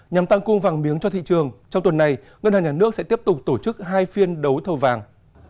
nhằm tăng cung vàng miếng cho thị trường trong tuần này ngân hàng nhà nước sẽ tiếp tục tổ chức hai phiên đấu thầu vàng